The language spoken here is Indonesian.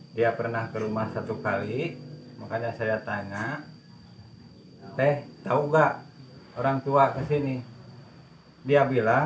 dia pernah ke rumah satu kali makanya saya tanya teh tahu nggak orang tua kesini dia bilang